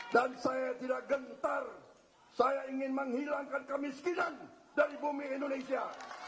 dan saya tidak gentar saya ingin menghilangkan kemiskinan dari bumi indonesia